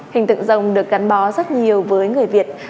hình tượng rồng được gắn bó rất nhiều với người việt